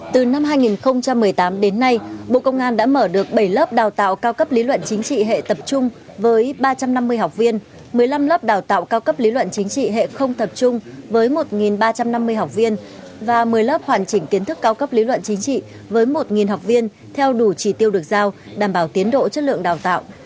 từ năm hai nghìn một mươi tám đến nay bộ công an đã mở được bảy lớp đào tạo cao cấp lý luận chính trị hệ tập trung với ba trăm năm mươi học viên một mươi năm lớp đào tạo cao cấp lý luận chính trị hệ không tập trung với một ba trăm năm mươi học viên và một mươi lớp hoàn chỉnh kiến thức cao cấp lý luận chính trị với một học viên theo đủ trì tiêu được giao đảm bảo tiến độ chất lượng đào tạo